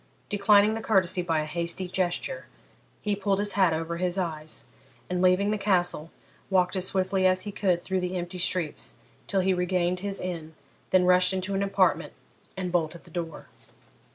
Declining the courtesy by a hasty gesture, he pulled his hat over his eyes, and, leaving the Castle, walked as swiftly as he could through the empty streets till he regained his inn, then rushed into an apartment and bolted the door.